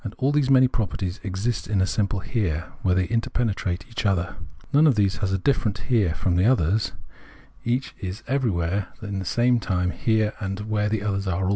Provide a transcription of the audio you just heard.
All these many properties exist in a simple Here, where they inter penetrate each other. None of these has a different Here from the others ; each is every 108 Phenomenology of Mind where in the same Here where the others are.